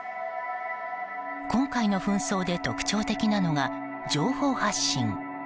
今回の紛争で特徴的なのが情報発信。